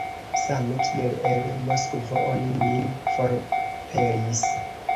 Same kiel el Moskvo oni min forpelis!